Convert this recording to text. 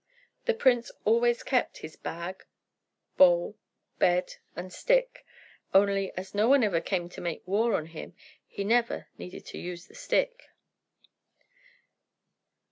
The prince always kept his bag, bowl, bed, and stick; only, as no one ever came to make war on him, he never needed to use the stick.